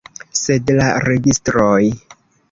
Sed la registroj!